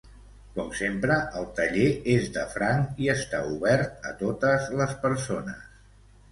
Com sempre el taller és de franc i està obert a totes les persones.